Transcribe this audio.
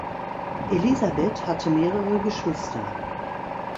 Elisabeth hatte mehrere Geschwister.